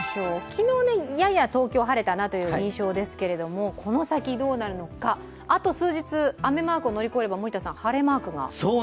昨日、やや東京、晴れたなという印象ですけれどもこの先どうなるのかあと数日、雨マークを乗り越えれば晴れマークが。